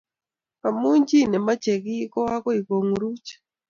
Amu chi nemochei kiy ko agoi konguruch